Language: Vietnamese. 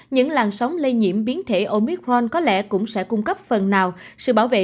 những làn sóng lây nhiễm biến thể omicron có lẽ cũng sẽ cung cấp phần nào sự bảo vệ